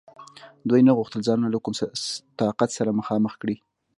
دوی نه غوښتل ځانونه له کوم طاقت سره مخامخ کړي.